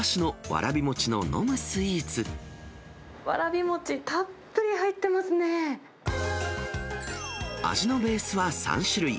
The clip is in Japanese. わらび餅、たっぷり入ってま味のベースは３種類。